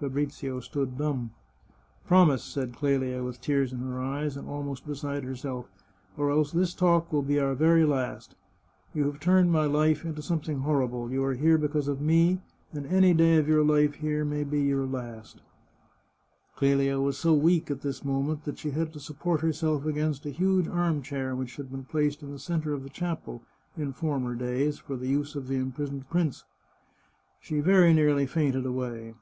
Fabrizio stood dumb. " Promise," said Clelia, with tears in her eyes, and almost beside herself, " or else this talk will be our very last. You have turned my life into something horrible. You are here because of me, and any day of your life here may be your last." Clelia was so weak at this moment that she had to support herself against a huge arm chair which had been •\ 377 The Chartreuse of Parma placed in the centre of the chapel in former days for the use of the imprisoned prince. She very nearly fainted away.